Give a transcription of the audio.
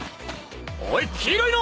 おい黄色いの！